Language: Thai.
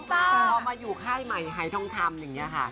พอมาอยู่ค่ายใหม่หายทองคำอย่างนี้ค่ะ